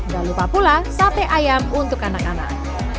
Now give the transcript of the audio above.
gak lupa pula sate ayam untuk anak anak